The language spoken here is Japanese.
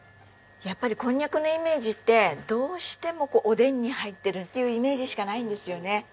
やっぱりこんにゃくのイメージってどうしてもおでんに入ってるっていうイメージしかないんですよね。